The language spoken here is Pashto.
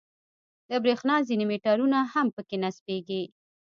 د برېښنا ځینې میټرونه هم په کې نصبېږي.